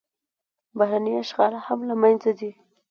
بهرنی اشغال هم له منځه ځي.